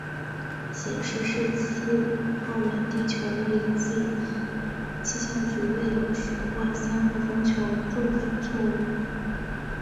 显示是次澳门地球物理暨气象局未有悬挂三号风球做法错误。